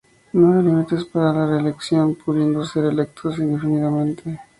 No hay límites para la reelección, pudiendo ser electos indefinidamente.